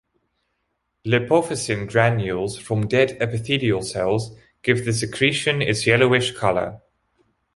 Lipofuscin granules from dead epithelial cells give the secretion its yellowish color.